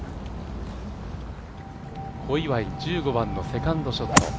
小祝、１５番のセカンドショット。